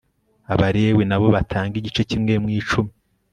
abalewi na bo batange igice kimwe mu icumi